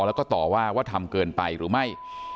หรือว่าทำเกินไปหรือไม่